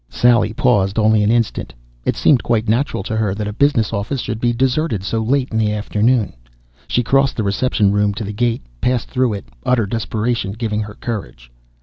Sally paused only an instant. It seemed quite natural to her that a business office should be deserted so late in the afternoon. She crossed the reception room to the gate, passed through it, utter desperation giving her courage.